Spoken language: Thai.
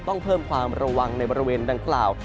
ต้องเพิ่มความระวังในบริเวณดังกล่าว